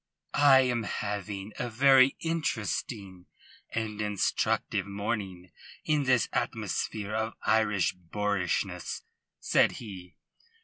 "I am having a very interesting and instructive morning in this atmosphere of Irish boorishness," said he.